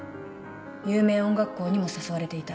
有名音楽校にも誘われていた。